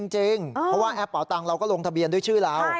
จริงเพราะว่าแอปเป่าตังค์เราก็ลงทะเบียนด้วยชื่อเรา